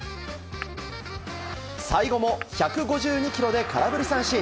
最後も１５２キロで空振り三振。